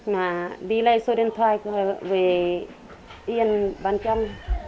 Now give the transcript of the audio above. mà đi lấy số điện thoại về yên bán chăm